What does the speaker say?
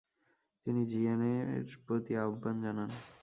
তিনি জিএনএ এর প্রতি আহ্বান জানান।